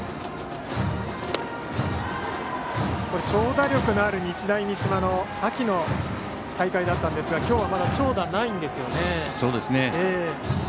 長打力のある日大三島の秋の大会だったんですが今日はまだ長打がないですね。